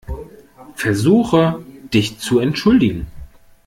Versuche, dich zu entschuldigen.